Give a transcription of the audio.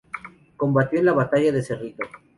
Combatió en la batalla de Cerrito.